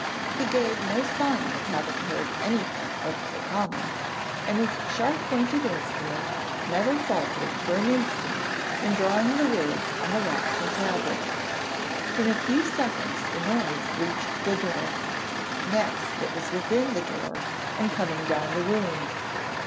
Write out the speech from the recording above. He gave no sign of having heard anything out of the common, and his sharp pointed instrument never faltered for an instant in drawing the words on the waxen tablet. In a few seconds the noise reached the door; next, it was within the door and coming down the room.